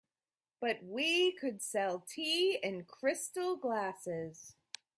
But we could sell tea in crystal glasses.